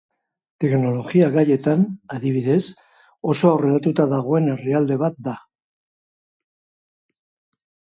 Teknologia gaietan, adibidez, oso aurreratuta dagoen herrialde bat da.